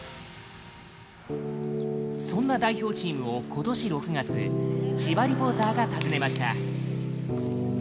そんな代表チームを、ことし６月千葉リポーターが訪ねました。